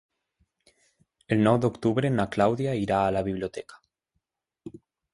El nou d'octubre na Clàudia irà a la biblioteca.